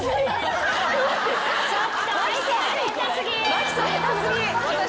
麻貴さん下手過ぎ。